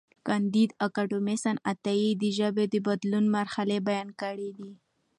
کانديد اکاډميسن عطايي د ژبې د بدلون مرحلې بیان کړې دي.